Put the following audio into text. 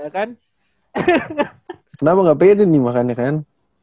kenapa gak pede nih makanya kan